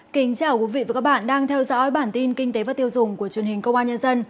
kính chào quý vị và các bạn đang theo dõi bản tin kinh tế và tiêu dùng của truyền hình công an nhân dân